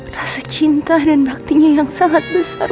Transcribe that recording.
rasa cinta dan baktinya yang sangat besar